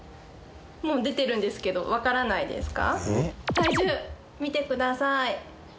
体重見てください。